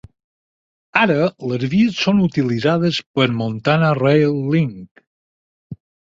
Ara, les vies són utilitzades per Montana Rail Link.